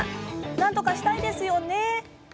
なんとかしたいですよね？